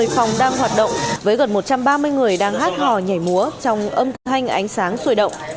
một mươi phòng đang hoạt động với gần một trăm ba mươi người đang hát hò nhảy múa trong âm thanh ánh sáng sôi động